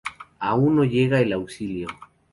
Aún no llega el auxilio.